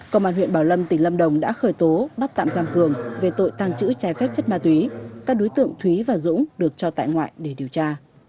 công an huyện bảo lâm tỉnh lâm đồng đã khởi tố bắt tạm giam cường về tội tàng trữ trái phép chất ma túy các đối tượng thúy và dũng được cho tại ngoại để điều tra